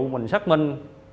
mình xác minh